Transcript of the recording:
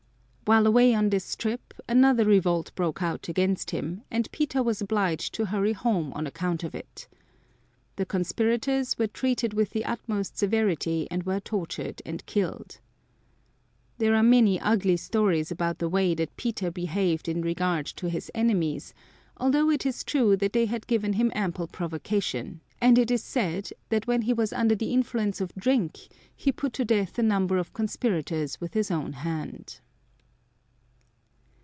While away on this trip another revolt broke out against him, and Peter was obliged to hurry home on account of it. The conspirators were treated with the utmost severity and were tortured and killed. There are many ugly stories about the way that Peter behaved in regard to his enemies, although it is true that they had given him ample provocation, and it is said that when he was under the influence of drink he put to death a number of conspirators with his own hand.